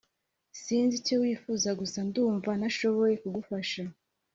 sinzi icyo wifuza gusa ndumva ntashoboye kugufasha